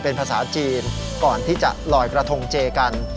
เป็นภาษาจีนก่อนที่จะลอยกระทงเจกัน